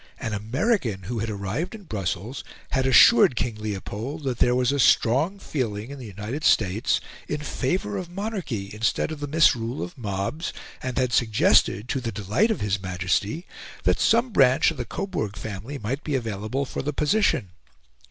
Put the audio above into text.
An American who had arrived in Brussels had assured King Leopold that there was a strong feeling in the United States in favour of monarchy instead of the misrule of mobs, and had suggested, to the delight of His Majesty, that some branch of the Coburg family might be available for the position.